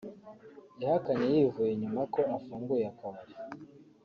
yahakanye yivuye inyuma ko afunguye akabari